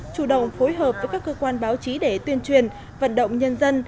chủ động phối hợp với các cơ quan báo chí để tuyên truyền vận động nhân dân